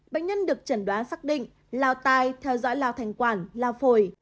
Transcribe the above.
bệnh nhân được chẩn đoán xác định lao tai theo dõi lao thành quản lao phổi